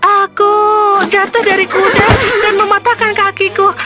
aku jatuh dari kuda dan mematahkan kakiku